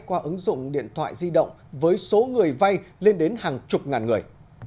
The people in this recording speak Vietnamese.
qua ứng dụng điện thoại di động với số người vay lên đến hàng chục ngàn người